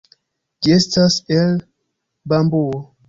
Ĝi estas el bambuo.